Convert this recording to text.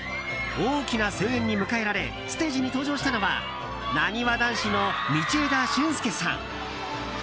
大きな声援に迎えられステージに登場したのはなにわ男子の道枝駿佑さん。